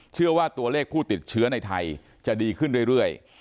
เชื่อว่าตัวเลขผู้ติดเชื้อในไทยจะดีขึ้นเรื่อย